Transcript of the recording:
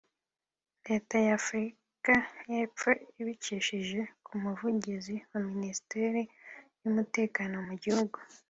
Leta ya Afurika y’Epfo ibicishije ku muvugizi wa Minisiteri y’Umutekano mu gihugu